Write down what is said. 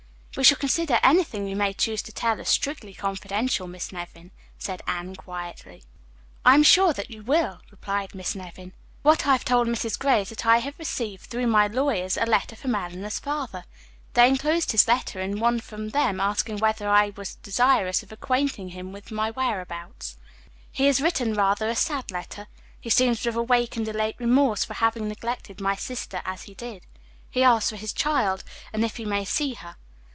"We shall consider anything you may choose to tell us strictly confidential, Miss Nevin," said Anne quietly. "I am sure that you will," replied Miss Nevin. "What I have told Mrs. Gray is that I have received through my lawyers a letter from Eleanor's father. They inclosed his letter in one from them asking whether I were desirous of acquainting him with my whereabouts. "He has written rather a sad letter. He seems to have awakened to a late remorse for having neglected my sister as he did. He asks for his child, and if he may see her.